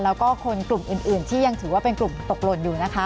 แล้วก็คนกลุ่มอื่นที่ยังถือว่าเป็นกลุ่มตกหล่นอยู่นะคะ